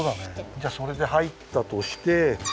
じゃあそれではいったとして。